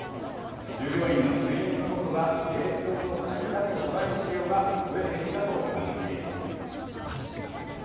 従業員の睡眠こそが成長の鍵だと捉える企業が増えてきたと感じています。